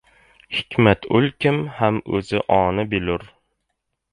Hikmat ulkim, ham o‘zi oni bilur.